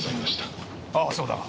ああそうだが。